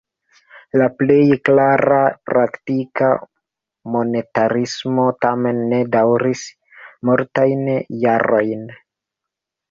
La plej klara praktika monetarismo tamen ne daŭris multajn jarojn.